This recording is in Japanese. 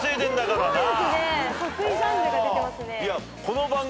得意ジャンルが出てますね。